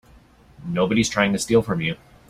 Nobody's trying to steal from you.